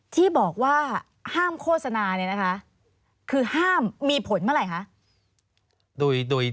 ที่บอกว่าห้ามโฆษณาคือห้ามมีผลเมื่อไหร่คะ